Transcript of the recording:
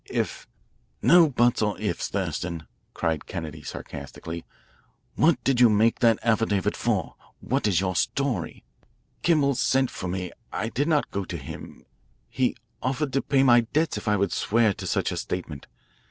"If " "No buts or ifs, Thurston," cried Kennedy sarcastically. "What did you make that affidavit for? What is your story?" "Kimmel sent for me. I did not go to him. He offered to pay my debts if I would swear to such a statement.